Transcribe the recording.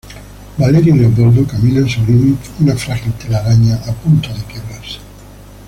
Valeria y Leopoldo caminan sobre una frágil telaraña a punto de quebrarse.